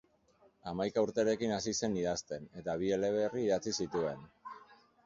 Hamaika urterekin hasi zen idazten, eta bi eleberri idatzi zituen.